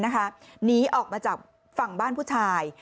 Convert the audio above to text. หนีออกมาจากฝั่งบ้านผู้ชาย